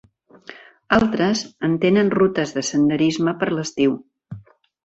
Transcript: Altres en tenen rutes de senderisme per l"estiu.